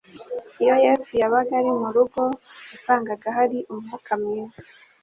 Iyo Yesu yabaga ari mu rugo, wasangaga hari umwuka mwiza.